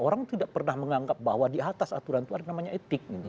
orang tidak pernah menganggap bahwa di atas aturan itu ada namanya etik